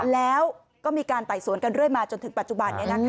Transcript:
แล้วก็มีการไต่สวนกันเรื่อยมาจนถึงปัจจุบัน